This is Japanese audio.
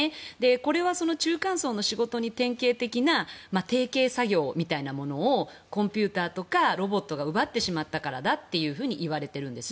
これは中間層の仕事に典型的な定型作業みたいなものをコンピューターとかロボットが奪ってしまったからだと言われているんです。